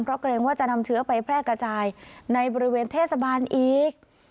เพราะเกรงว่าจะนำเชื้อไปแพร่กระจายในบริเวณเทศบาลอีก